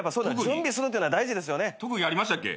特技ありましたっけ？